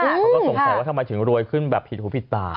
เขาก็สงสัยว่าทำไมถึงรวยขึ้นแบบผิดหูผิดตา